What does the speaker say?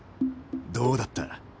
どうだった？